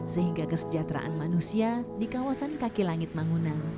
sehingga kesejahteraan manusia di kawasan kaki langit mangunan